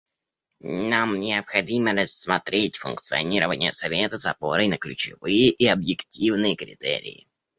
Нам необходимо рассмотреть функционирование Совета с опорой на ключевые и объективные критерии.